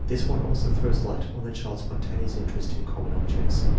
this one also throws light on the child's spontaneous interest in common objects.